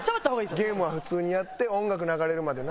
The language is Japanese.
ゲームは普通にやって音楽流れるまでな。